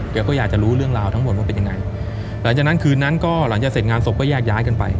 แกก็อยากจะรู้เรื่องราวทั้งหมดว่าเป็นยังไง